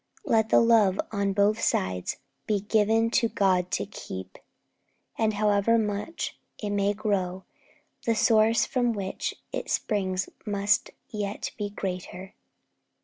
Let the love on both sides be given to God to keep, and however much it may grow, the source from which it springs must yet be greater.'